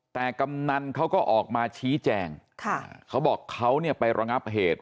แต่กำนันเขาก็ออกมาชี้แจงค่ะเขาบอกเขาเนี่ยไประงับเหตุ